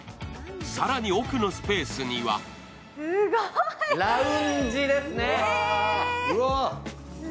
更に奥のスペースにはラウンジですね。